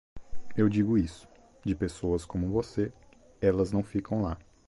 Eu digo isso; de pessoas como você, elas não ficam lá.